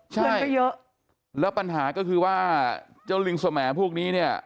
เพื่อนก็เยอะแล้วปัญหาก็คือว่าเจ้าลิงสมพวกนี้เนี่ย